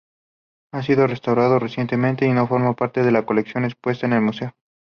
Ha sido restaurado recientemente y no forma parte de la colección expuesta del museo.